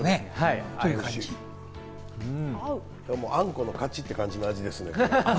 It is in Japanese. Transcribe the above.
あんこの勝ちっていう味ですね。